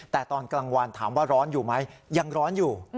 แต่ตอนกลางวันถามว่าร้อนอยู่ไหมยังร้อนอยู่